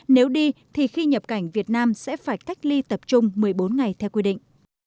nếu đi thì khi nhập cảnh việt nam sẽ phải cách ly tập trung một mươi bốn ngày theo quy định